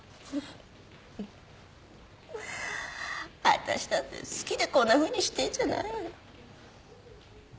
あたしだって好きでこんなふうにしてんじゃないわよ。